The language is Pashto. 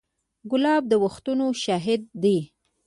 ګلاب د وختونو شاهد دی.